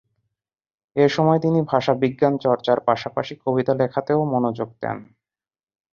এ সময় তিনি ভাষাবিজ্ঞানচর্চার পাশাপাশি কবিতা লেখাতেও মনোযোগ দেন।